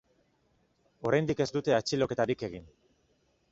Oraindik ez dute atxiloketarik egin.